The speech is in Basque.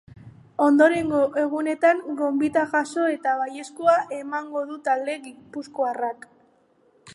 Ondorengo egunetan gonbita jaso eta baiezkoa emango du talde gipuzkoarrak.